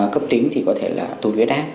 cấp tính thì có thể là tụt vết ác